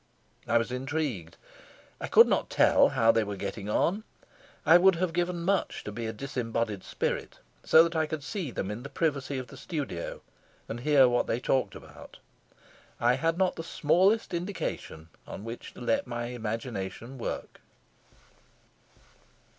I was intrigued. I could not tell how they were getting on. I would have given much to be a disembodied spirit so that I could see them in the privacy of the studio and hear what they talked about. I had not the smallest indication on which to let my imagination work.